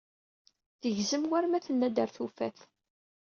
Tegzem war ma tenna-d ar tufat.